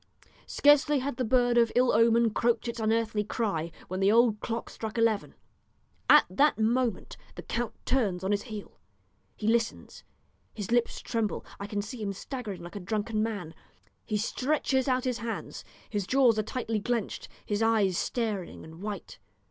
Scarcely had the bird of ill omen croaked its unearthly cry when the old clock struck eleven. At that moment the count turns on his heel he listens, his lips tremble, I can see him staggering like a drunken man. He stretches out his hands, his jaws are tightly clenched, his eyes staring and white.